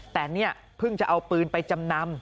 แต่เนี่ยเพิ่งจะเอาปืนไปจำนำ